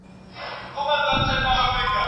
زړه مې په هغه وخت کې بد شو